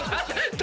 誰？